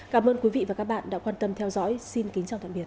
cảm ơn quý vị và các bạn đã quan tâm theo dõi xin kính chào tạm biệt